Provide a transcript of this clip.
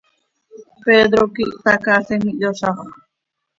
Pedro quih htacaalim, ihyozaxö.